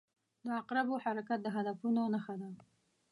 • د عقربو حرکت د هدفونو نښه ده.